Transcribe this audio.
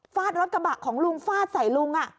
รถกระบะของลุงฟาดใส่ลุง